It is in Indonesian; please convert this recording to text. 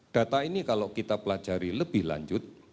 data ini kalau kita pelajari lebih lanjut